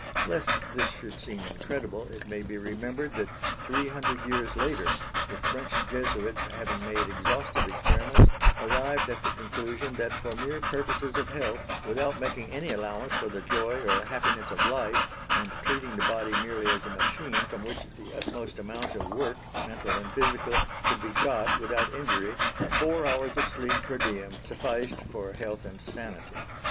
Lest this should seem incredible it may be remembered that three hundred years later, the French Jesuits, having made exhaustive experiments, arrived at the conclusion that for mere purposes of health, without making any allowance for the joy or happiness of life, and treating the body merely as a machine from which the utmost amount of work mental and physical could be got without injury, four hours of sleep per diem sufficed for health and sanity.